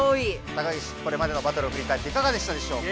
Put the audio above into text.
高岸これまでのバトルをふりかえっていかがでしたでしょうか？